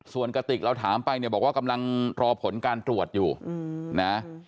ส่วนกติกเราถามบ้างเลยว่ากำลังรอผลการตรวจอยู่นะ